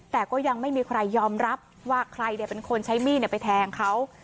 แต่ก็ยังไม่มีใครยอมรับว่าใครเป็นคนใช้มีดไปแทงเขา